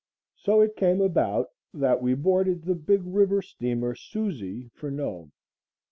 So it came about that we boarded the big river steamer Susie for Nome.